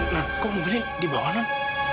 non kok mobilnya di bawah non